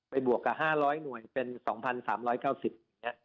ไปบวกกับ๕๐๐หน่วยเป็น๒๓๙๐หน่วย